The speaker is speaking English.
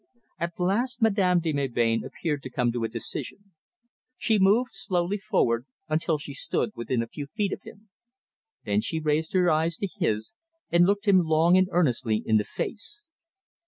At last Madame de Melbain appeared to come to a decision. She moved slowly forward, until she stood within a few feet of him. Then she raised her eyes to his and looked him long and earnestly in the face.